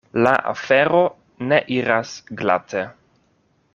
La afero ne iras glate.